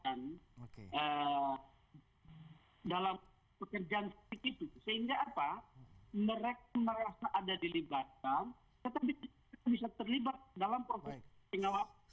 sehingga apa mereka merasa ada dilibatkan tetapi bisa terlibat dalam proses pengawasan